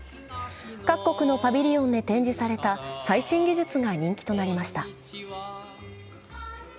各国のパビリオンで展示された最新技術が人気となりました。